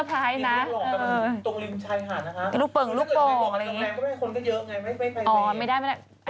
ไม่ประแพทย์สินะถ้าต้องพาทันริมหาดอ๋อไม่ได้ไม่ได้